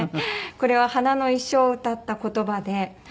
これは花の一生を歌った言葉で。